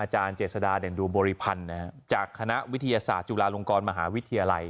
เจษฎาเด่นดูบริพันธ์จากคณะวิทยาศาสตร์จุฬาลงกรมหาวิทยาลัย